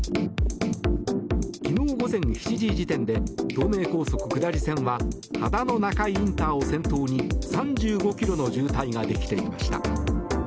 昨日午前７時時点で東名高速下り線は秦野中井ＩＣを先頭に３５ｋｍの渋滞ができていました。